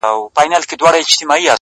په یو نظر کي مي د سترگو په لړم نیسې ـ